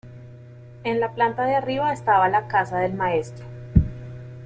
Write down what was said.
En la planta de arriba estaba la casa del maestro.